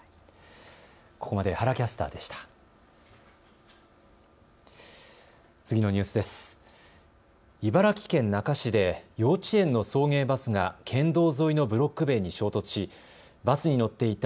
ここまで原キャスターでした。